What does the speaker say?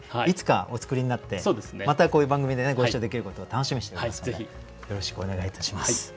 いつかお作りになってまたこういう番組でねご一緒できることを楽しみにしております。